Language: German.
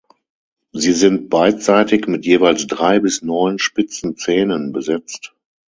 Sie sind beidseitig mit jeweils drei bis neun spitzen Zähnen besetzt.